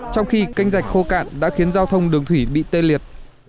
trong khi canh dạch khô cạn đã khiến giao thông đường thủy bị tê liệt